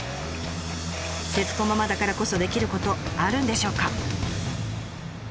節子ママだからこそできることあるんでしょうか？